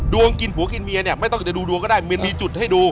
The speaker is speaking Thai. ดวงกินผัวกินเมียเนี่ยไม่ต้องเดี๋ยวดูดวงก็ได้มีจุดให้ดู